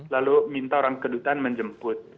lalu minta orang kedutaan menjemput